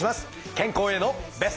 健康へのベスト。